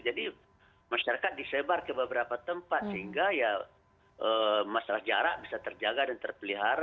jadi masyarakat disebar ke beberapa tempat sehingga ya masalah jarak bisa terjaga dan terpelihara